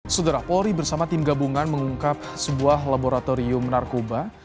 saudara polri bersama tim gabungan mengungkap sebuah laboratorium narkoba